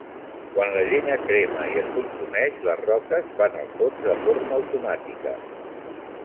Quan la llenya crema i es consumeix les roques van al fons de forma automàtica.